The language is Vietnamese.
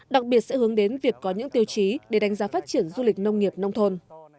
đặc biệt sẽ hướng đến việc có những tiêu chí để đánh giá phát triển du lịch nông nghiệp nông thôn